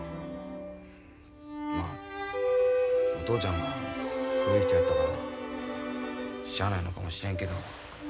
まあお父ちゃんがそういう人やったからしゃあないのかもしれんけど。